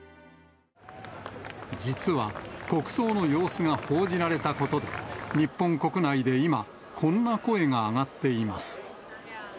実は、国葬の様子が報じられたことで、日本国内で今、こんな声が上がっています。